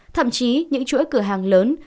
thậm chí những chuỗi cửa hàng lớn